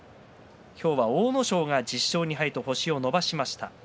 今日は阿武咲が１０勝２敗と星を伸ばしました。